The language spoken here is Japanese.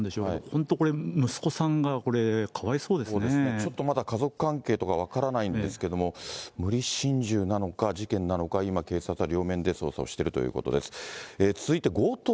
本当これ、息子さんがこれ、かわちょっとまだ家族関係とか分からないんですけれども、無理心中なのか、事件なのか、今、警察が両面で捜査をしているということです。